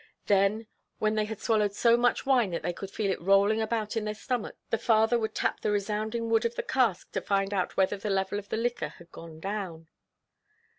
Then, when they had swallowed so much wine that they could feel it rolling about in their stomachs, the father would tap the resounding wood of the cask to find out whether the level of the liquor had gone down.